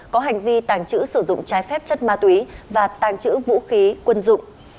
có hành vi tàng trữ sử dụng trái phép chất ma túy và tàng trữ vũ khí quân dụng